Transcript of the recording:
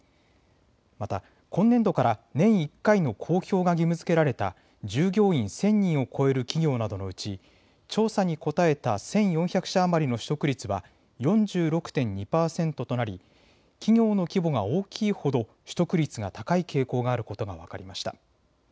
また今年度から年１回の公表が義務づけられた従業員１０００人を超える企業などのうち、調査に答えた１４００社余りの取得率は４６．２％となり企業の規模が大きいほど取得率が高い傾向があることが分かりました。